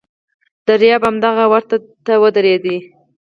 دریاب همدغه وره ته ودرېد.